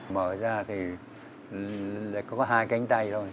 mở ra thì có hai cánh tay thôi